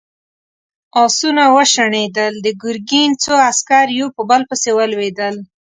آسونه وشڼېدل، د ګرګين څو عسکر يو په بل پسې ولوېدل.